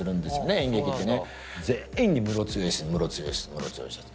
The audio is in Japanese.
演劇ってね。